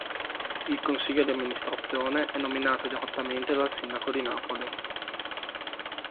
Il Consiglio di Amministrazione è nominato direttamente dal sindaco di Napoli.